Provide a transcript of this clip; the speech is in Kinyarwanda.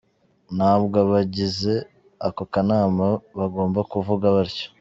"Ntabwo abagize ako kanama bagomba kuvuga batyo.